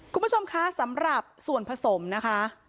คุณผู้ชมคะสำหรับส่วนผสมนะคะ